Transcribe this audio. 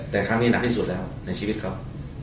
แต่ครั้งนี้หนักที่สุดแล้วในชีวิตครับ